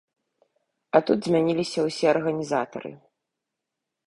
А тут змяніліся ўсе арганізатары.